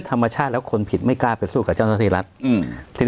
ธรรมชาติแล้วคนผิดไม่กล้าไปสู้กับเจ้าหน้าที่รัฐอืม